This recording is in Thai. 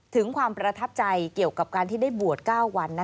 ถึงความประทับใจเกี่ยวกับการที่ได้บวช๙วัน